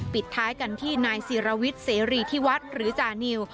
ปิดท้ายกันที่นายศิรวิทย์เสรีที่วัดหรือจานิว